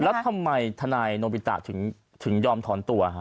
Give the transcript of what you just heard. แล้วทำไมทนายโนบิตะถึงยอมถอนตัวฮะ